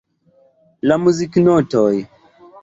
La muziknotoj.